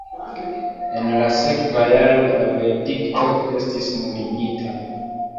En la sekva jaro la verdikto estis nuligita.